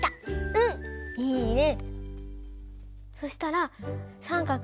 うんいいね！